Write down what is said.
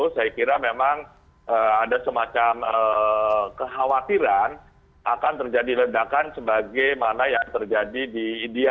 saya kira memang ada semacam kekhawatiran akan terjadi ledakan sebagaimana yang terjadi di india